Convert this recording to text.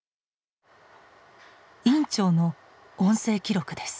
院長の音声記録です。